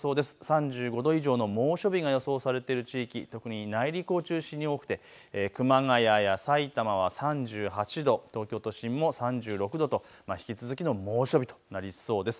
３５度以上の猛暑日が予想されている地域、特に内陸を中心に多くて熊谷やさいたまは３８度、東京都心も３６度と引き続きの猛暑日となりそうです。